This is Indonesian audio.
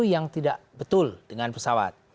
yang tidak betul dengan pesawat